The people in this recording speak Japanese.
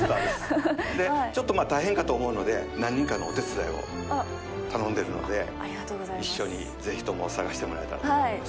でちょっと大変かと思うので何人かのお手伝いを頼んでるので一緒にぜひとも探してもらえたらと思います。